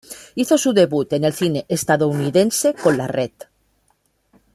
Hizo su debut en el cine estadounidense con "La red".